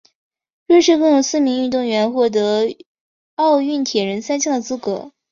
瑞士共有四名运动员获得奥运铁人三项的资格。